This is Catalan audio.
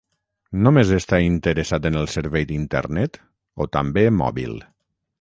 Només està interessat en el servei d'internet, o també mòbil?